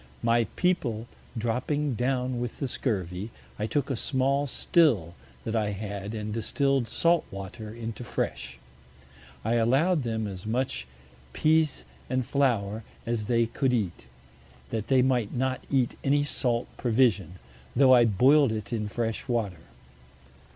My People dropping down with the Scurvy, I took a small Still that I had, and distill'd Salt Water into Fresh. I allow'd them as much Pease and Flower as they could eat, that they might not eat any Salt Provision, tho' I boil'd it in fresh Water.